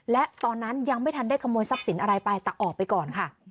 และตอนนั้นยังไม่ทันได้ขโมยทรัพย์สินอะไรไปแต่ออกไปก่อนค่ะ